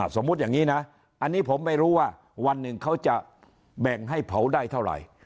สมมุติอย่างนี้นะอันนี้ผมไม่รู้ว่าวันหนึ่งเขาจะแบ่งให้เผาได้เท่าไหร่